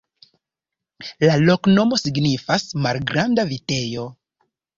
La loknomo signifas: malgranda vitejo.